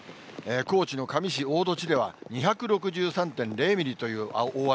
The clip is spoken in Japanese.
高知の香美市大栃では２６３．０ミリという大雨。